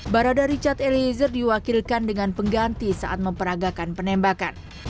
barada richard eliezer diwakilkan dengan pengganti saat memperagakan penembakan